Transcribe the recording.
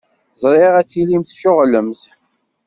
Ẓriɣ ad tilimt tceɣlemt.